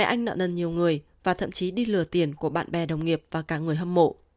anh nợ nần nhiều người và thậm chí đi lừa tiền của bạn bè đồng nghiệp và cả người hâm mộ